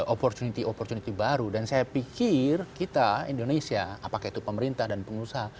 opportunity opportunity baru dan saya pikir kita indonesia apakah itu pemerintah dan pengusaha